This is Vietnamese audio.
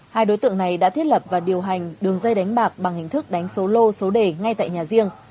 hai đối tượng này đã thiết lập và điều hành đường dây đánh bạc bằng hình thức đánh số lô số đề ngay tại nhà riêng